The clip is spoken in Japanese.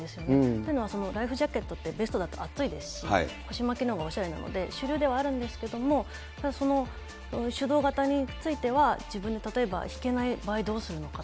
というのは、ライフジャケットって、ベストだと暑いですし、腰巻きのほうがおしゃれなので、主流ではあるんですけれども、ただ、その手動型については、自分で例えば引けない場合どうするのかとか。